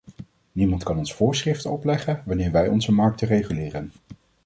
Niemand kan ons voorschriften opleggen wanneer wij onze markten reguleren.